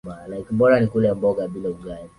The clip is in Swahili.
baada ya kujua kwamba niko na virusi vya ukimwi